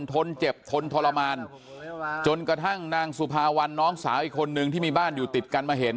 ทนเจ็บทนทรมานจนกระทั่งนางสุภาวันน้องสาวอีกคนนึงที่มีบ้านอยู่ติดกันมาเห็น